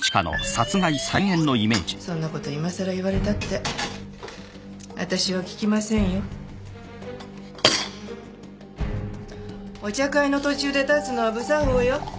そんなこといまさら言われたって私は聞きませんよお茶会の途中で立つのは不作法よウッ